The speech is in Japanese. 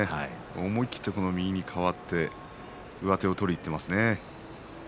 思い切って右に変わって上手を取りにいっていますね。